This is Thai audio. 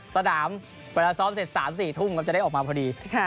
สนามเวลาซ้อมเสร็จ๓๔ทุ่มครับจะได้ออกมาพอดี